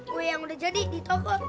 gue yang udah jadi di toko